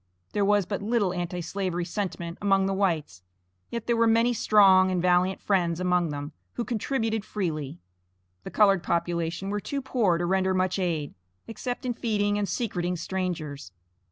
There was but little Anti slavery sentiment among the whites, yet there were many strong and valiant friends among them who contributed freely; the colored population were too poor to render much aid, except in feeding and secreting strangers.